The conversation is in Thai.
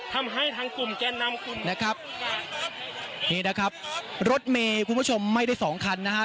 ทำให้ทางกลุ่มแกนนำกลุ่มนะครับนี่นะครับรถเมย์คุณผู้ชมไม่ได้สองคันนะฮะ